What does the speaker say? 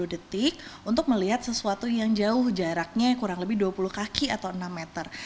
dua puluh detik untuk melihat sesuatu yang jauh jaraknya kurang lebih dua puluh kaki atau enam meter